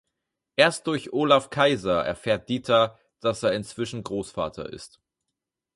Erst durch Olaf Kaiser erfährt Dieter, dass er inzwischen Großvater ist.